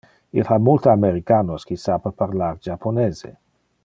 Il ha multe americanos qui sape parlar japonese.